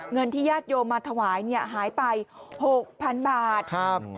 เงินที่ญาติโยมมาถวายเนี่ยหายไป๖๐๐๐บาท